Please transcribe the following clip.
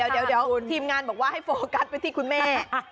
เดี๋ยวทีมงานบอกว่าให้โฟกัสไปที่คุณแม่